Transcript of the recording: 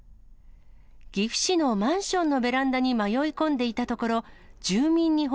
岐阜市のマンションのベランダに迷い込んでいたところ、住民に保